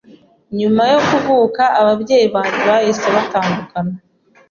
Nyuma yo kuvuka ababyeyi banjye bahise batandukana,